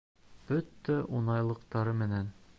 Бөтә уңайлыҡтары менән.